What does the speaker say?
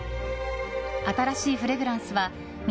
新しいフレグランスは南